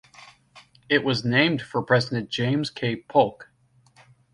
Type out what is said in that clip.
It was named for President James K. Polk.